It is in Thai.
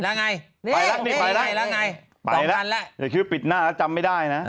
แล้วไงนี่ไปแล้วนี่ไปแล้วไงไปแล้วแต่ชื่อปิดหน้าแล้วจำไม่ได้นะ